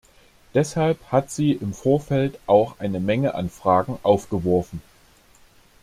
Deshalb hat sie im Vorfeld auch eine Menge an Fragen aufgeworfen.